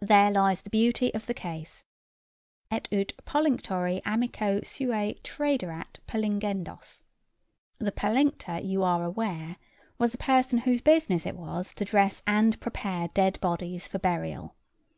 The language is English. There lies the beauty of the case 'Et ut pollinctori amico suo traderet pollingendos.' The pollinctor, you are aware, was a person whose business it was to dress and prepare dead bodies for burial.